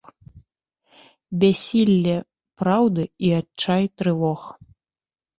Бяссілле праўды і адчай трывог.